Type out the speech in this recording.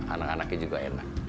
anak anaknya juga enak